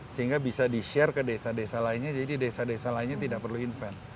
sehingga bisa di share ke desa desa lainnya jadi desa desa lainnya tidak perlu inven